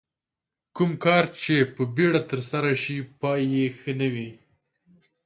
کوم کار چې په بیړه ترسره شي پای یې ښه نه وي.